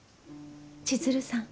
千鶴さん？